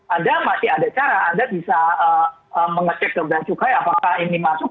anda masih ada cara anda bisa mengecek ke bea cukai apakah ini masuk